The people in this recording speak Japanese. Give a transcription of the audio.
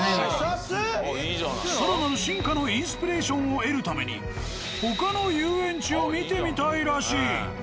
更なる進化のインスピレーションを得るために他の遊園地を見てみたいらしい。